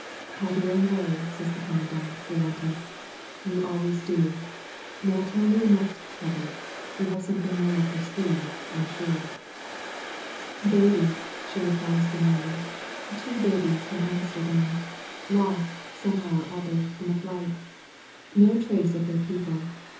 "Have your own way," says the commandant, relenting; "you always do. Now tell me the next trouble. You have something more up your sleeve, I'm sure." 31 •«1 THE VALLEY OF VISION ^Babies/' ahe replies demurely; "two babies from Amsterdam. Lost, somehow or other, in the flight No trace of their people.